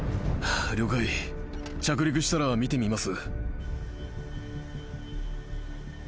あ了解着陸したら見てみます